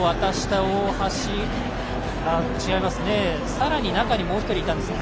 さらに中にもう一人いたんですね。